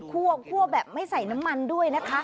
คั่วแบบไม่ใส่น้ำมันด้วยนะคะ